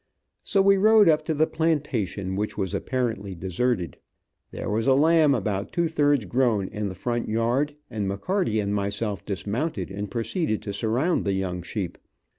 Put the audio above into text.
So we rode up to the plantation, which was apparently deserted. There was a lamb about two thirds grown, in the front yard, and McCarty and myself dismounted and proceeded to surround the young sheep.